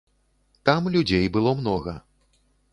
Там людзей было многа.